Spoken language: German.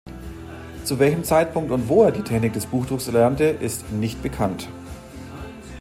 Zu welchem Zeitpunkt und wo er die Technik des Buchdrucks erlernte, ist nicht bekannt.